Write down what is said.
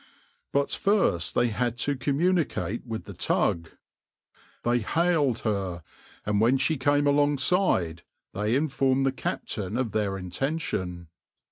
But first they had to communicate with the tug. They hailed her, and when she came alongside they informed the captain of their intention.